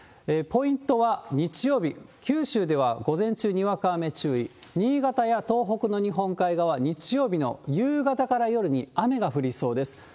ポイントは日曜日、九州では午前中、にわか雨注意、新潟や東北の日本海側、日曜日の夕方から夜に雨が降りそうです。